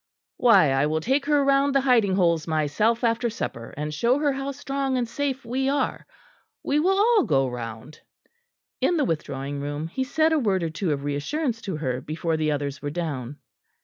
"Why, I will take her round the hiding holes myself after supper, and show her how strong and safe we are. We will all go round." In the withdrawing room he said a word or two of reassurance to her before the others were down.